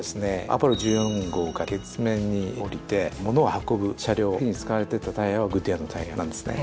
アポロ１４号が月面に降りて物を運ぶ車両に使われてたタイヤはグッドイヤーのタイヤなんですね。